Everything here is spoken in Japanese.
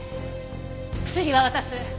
薬は渡す。